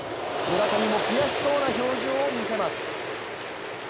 村上も悔しそうな表情を見せます。